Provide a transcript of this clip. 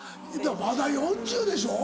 まだ４０でしょ？